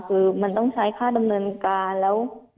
คือมันต้องใช้ค่าดำเนินการแล้ว